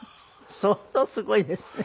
相当すごいですね。